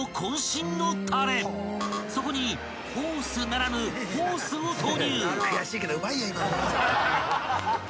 ［そこにフォースならぬホースを投入］